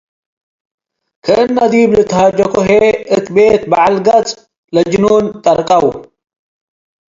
ክእነ ዲብ ልትሃጀኮ ህዬ እተ ቤት በዐል ገጽ ለጅኑን ጠርቀው።